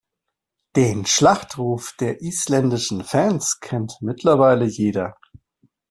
Den Schlachtruf der isländischen Fans kennt mittlerweile jeder.